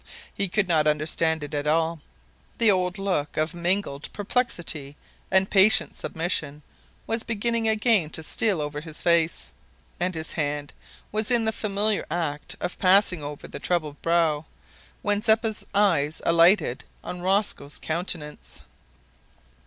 He could not understand it at all. The old look of mingled perplexity and patient submission was beginning again to steal over his face, and his hand was in the familiar act of passing over the troubled brow, when Zeppa's eyes alighted on Rosco's countenance.